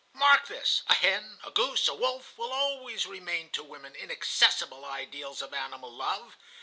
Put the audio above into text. Mark this, a hen, a goose, a wolf, will always remain to woman inaccessible ideals of animal love.